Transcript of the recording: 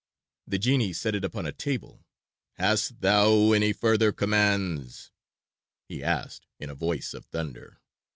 The genie set it upon a table. "Hast thou any further commands?" he asked in a voice of thunder.